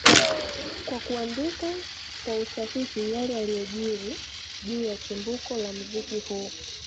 Kwa kuandika kwa usahihi yale yaliojiri juu ya chimbuko la muziki huu